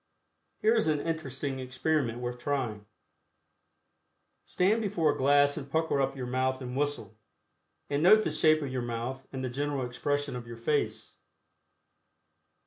Here is an interesting experiment worth trying: Stand before a glass and pucker up your mouth and whistle, and note the shape of your mouth and the general expression of your face.